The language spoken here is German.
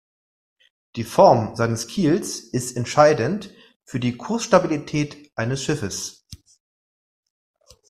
Die Form seines Kiels ist entscheidend für die Kursstabilität eines Schiffes.